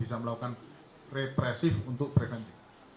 bisa melakukan represif untuk preventif